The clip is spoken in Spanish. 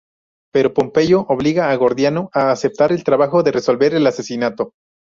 Pero Pompeyo obliga a Gordiano a aceptar el trabajo de resolver el asesinato.